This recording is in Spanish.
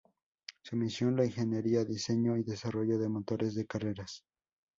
Su misión: La ingeniería, diseño y desarrollo de motores de carreras.